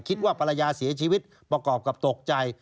คิดว่าภรรยาเสียชีวิตประกอบกับตกใจ